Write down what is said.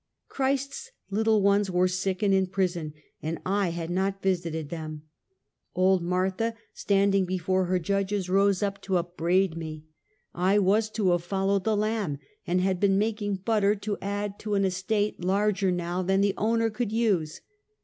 Christ's little ones were sick and in prison, and I had not visited them ! Old Martha, standing before 86 Half a Centtjet. her judges, rose up to upbraid me! I was to have fol lowed the Lamb, and had been making butter to add to an estate larger now than the owner could use.